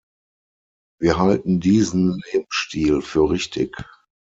Wir halten diesen Lebensstil für richtig.